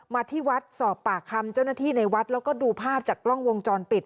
ที่วัดสอบปากคำเจ้าหน้าที่ในวัดแล้วก็ดูภาพจากกล้องวงจรปิด